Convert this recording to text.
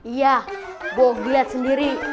iya gue lihat sendiri